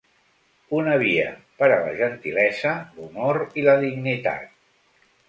Una via per a la gentilesa, l'honor i la dignitat.